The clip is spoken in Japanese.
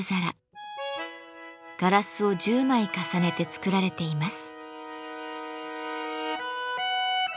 ガラスを１０枚重ねて作られています。